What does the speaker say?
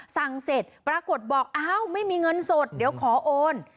สั่งเสร็จปรากฏบอกอ้าวไม่มีเงินสดเดี๋ยวขอโอน